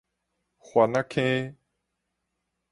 番仔坑